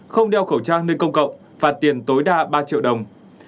không đeo khẩu trang nơi công cộng phạt tiền tối đa ba triệu đồng